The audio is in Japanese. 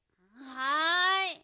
はい。